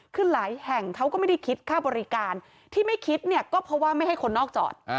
คือหลายแห่งเขาก็ไม่ได้คิดค่าบริการที่ไม่คิดเนี่ยก็เพราะว่าไม่ให้คนนอกจอด